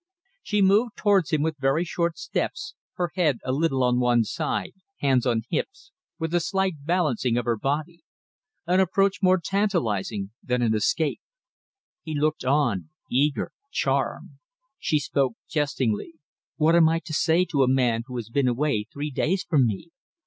She moved towards him with very short steps, her head a little on one side, hands on hips, with a slight balancing of her body: an approach more tantalizing than an escape. He looked on, eager charmed. She spoke jestingly. "What am I to say to a man who has been away three days from me?